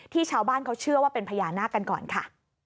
ชาวบ้านเขาเชื่อว่าเป็นพญานาคกันก่อนค่ะ